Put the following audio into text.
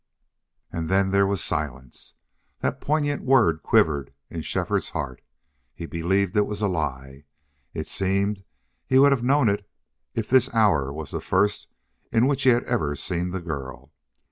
And then there was silence. That poignant word quivered in Shefford's heart. He believed it was a lie. It seemed he would have known it if this hour was the first in which he had ever seen the girl.